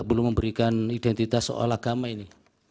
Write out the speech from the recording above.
belum memberikan identitas soal agama ini